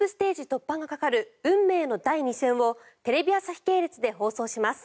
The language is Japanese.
突破がかかる運命の第２戦をテレビ朝日系列で放送します。